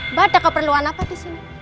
mbak ada keperluan apa disini